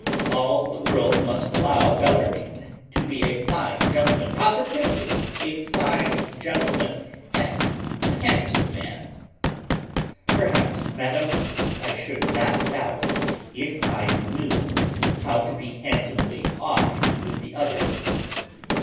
All the world must allow Bellarmine to be a fine gentleman, positively a fine gentleman, and a handsome man." "Perhaps, madam, I should not doubt, if I knew how to be handsomely off with the other."